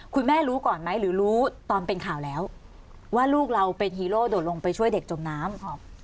คุณแม่รู้ก่อนไหมหรือรู้ตอนเป็นข่าวแล้วว่าลูกเราเป็นฮีโร่โดดลงไปช่วยเด็กจมน้ำ